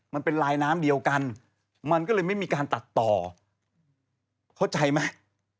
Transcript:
มันเป็นลายน้ำเดียวกันมันก็เลยไม่มีการตัดต่อเข้าใจไหม